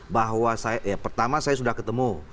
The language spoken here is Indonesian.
bahwa pertama saya sudah ketemu